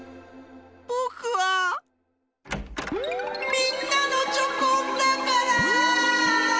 ぼくはみんなのチョコンだから！